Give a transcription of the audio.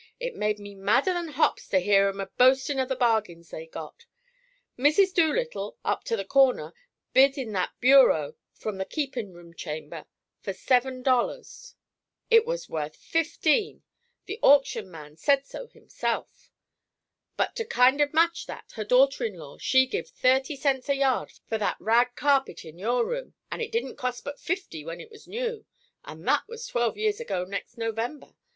It made me madder than hops to hear 'em a boastin' of the bargains they'd got. Mrs. Doolittle, up to the corner, bid in that bureau from the keepin' room chamber for seven dollars. It was worth fifteen; the auction man said so himself. But to kind of match that, her daughter in law, she giv' thirty cents a yard for that rag carpet in your room, and it didn't cost but fifty when it was new, and that was twelve years ago next November!